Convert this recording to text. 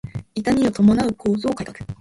痛みを伴う構造改革